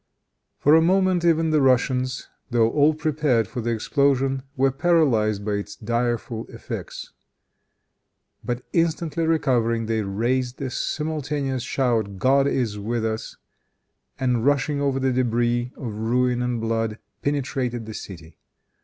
For a moment even the Russians, though all prepared for the explosion, were paralyzed by its direful effects. But instantly recovering, they raised the simultaneous shout, "God is with us," and rushing over the debris, of ruin and blood, penetrated the city.